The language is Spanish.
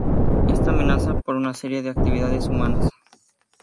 Está amenazada por una serie de actividades humanas.